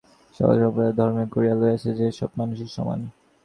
সকল সাম্প্রদায়িক ধর্মই ধরিয়া লইয়াছে যে, সব মানুষই সমান।